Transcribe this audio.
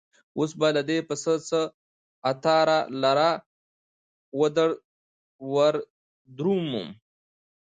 اوس به له دې پسه څه عطار لره وردرومم